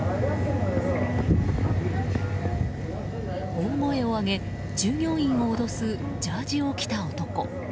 大声を上げ従業員を脅すジャージーを着た男。